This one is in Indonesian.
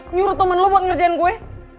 nyuruh temen lu buat ngerjain gue